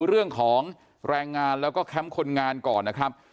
เรื่องของแรงงานแล้วก็แคมป์คนงานก่อนนะครับ